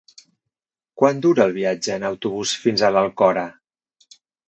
Quant dura el viatge en autobús fins a l'Alcora?